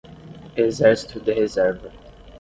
exército de reserva